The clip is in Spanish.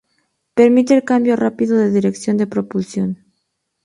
Permite el cambio rápido de dirección de propulsión.